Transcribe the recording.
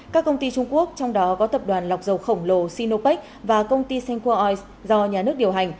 các công ty trung quốc trong đó có tập đoàn lọc dầu khổng lồ sinopec và công ty senworld do nhà nước điều hành